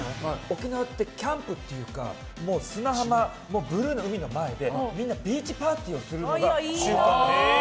沖縄ってキャンプっていうかもう砂浜、ブルーの海の前でみんなビーチパーティーをするのが習慣で。